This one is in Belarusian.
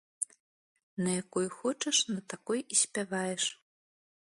На якой хочаш, на такой і спяваеш.